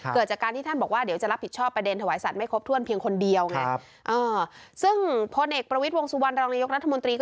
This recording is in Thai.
พลเอกประวิจน์วงสุวรรณราวนายกรัฐมนตรี